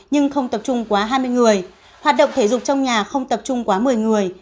nhưng không tập trung quá hai mươi người hoạt động thể dục trong nhà không tập trung quá một mươi người